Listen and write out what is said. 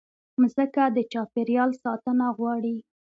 مځکه د چاپېریال ساتنه غواړي.